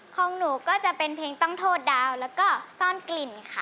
ของหนูก็จะเป็นเพลงต้องโทษดาวแล้วก็ซ่อนกลิ่นค่ะ